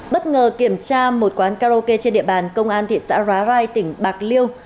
bất ngờ kiểm tra một quán karaoke trên địa bàn công an thị xã hóa rai tỉnh bạc liêu